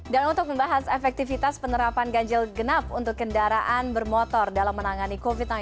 dan untuk membahas efektivitas penerapan ganjil genap untuk kendaraan bermotor dalam menangani covid sembilan belas